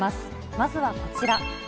まずはこちら。